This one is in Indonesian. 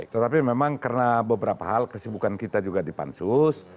tetapi memang karena beberapa hal kesibukan kita juga dipansus